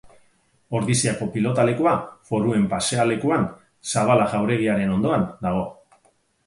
Ordiziako pilotalekua Foruen pasealekuan, Zabala jauregiaren ondoan dago.